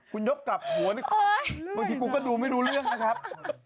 คุณยกกลับหัวดีกว่าบางทีกูก็ดูไม่รู้เรื่องนะครับ